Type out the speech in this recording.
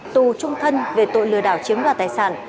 tù trung thân về tội lừa đảo chiếm đoạt tài sản